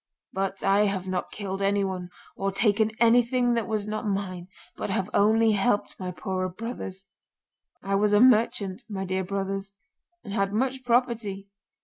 But I have not killed anyone or taken anything that was not mine, but have only helped my poorer brothers. I was a merchant, my dear brothers, and had much property.